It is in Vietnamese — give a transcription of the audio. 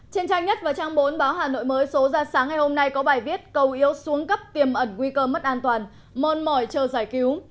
trên trang nhất và trang bốn báo hà nội mới số ra sáng ngày hôm nay có bài viết cầu yếu xuống cấp tiềm ẩn nguy cơ mất an toàn mòn mỏi chờ giải cứu